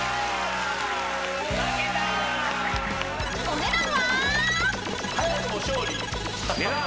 ［お値段は？］